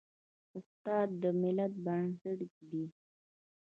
استاد د ملت بنسټ ږدي.